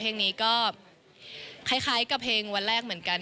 เพลงนี้ก็คล้ายกับเพลงวันแรกเหมือนกัน